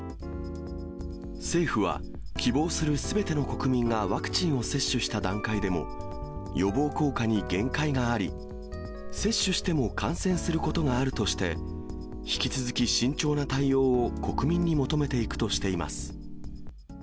政府は希望するすべての国民がワクチンを接種した段階でも予防効果に限界があり、接種しても感染することがあるとして、引き続き慎重な対応を国民に求めていくとしています。